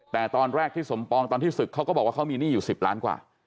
แต่ตอนแรกที่สมปองตอนที่ศึกเขาก็บอกว่าเขามีหนี้อยู่๑๐ล้านกว่า